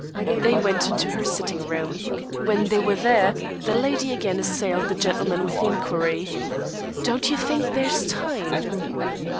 They went into her sitting room. When they were there, the lady again assailed the gentleman with the inquiry: "Don't you think there's time?"